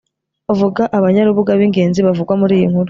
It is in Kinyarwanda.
vuga abanyarubuga b'ingenzi bavugwa muri iyi nkuru